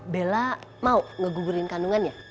bella mau ngegugurin kandungannya